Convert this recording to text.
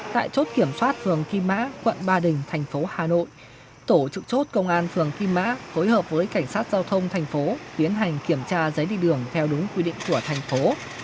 tại chốt kiểm soát phường kim mã quận ba đình thành phố hà nội tổ trụ chốt công an phường kim mã phối hợp với cảnh sát giao thông thành phố tiến hành kiểm tra giấy đi đường theo đúng quy định của thành phố